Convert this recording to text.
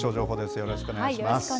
よろしくお願いします。